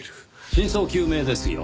真相究明ですよ。